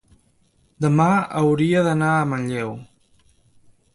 demà hauria d'anar a Manlleu.